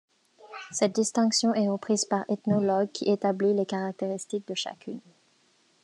Cette distinction est reprise par Ethnologue qui établit les caractéristiques de chacune.